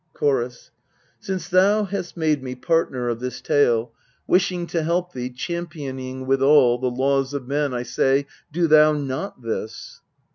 Cliorus. Since thou hast made me partner of this tale Wishing to help thee, championing withal The laws of men, I say, do thou not this.